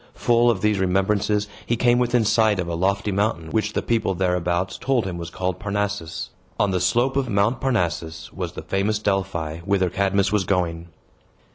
Full of these remembrances, he came within sight of a lofty mountain, which the people thereabouts told him was called Parnassus. On the slope of Mount Parnassus was the famous Delphi, whither Cadmus was going.